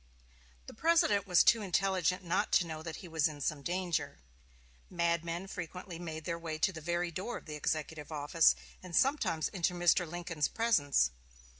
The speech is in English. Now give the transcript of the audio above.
The President was too intelligent not to know that he was in some danger. Madmen frequently made their way to the very door of the executive office, and sometimes into Mr. Lincoln's presence.